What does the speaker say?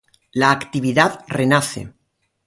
La actividad renace.